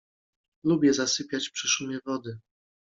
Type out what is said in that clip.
Lubię zasypiać przy szumie wody.